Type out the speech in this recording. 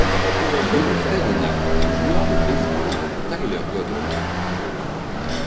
Il est le frère aîné du joueur de baseball Tyler Goeddel.